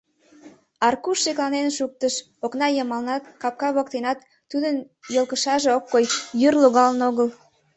Аркуш шекланен шуктыш: окна йымалнат, капка воктенат тудын йолкышаже ок кой — йӱр логалын огыл.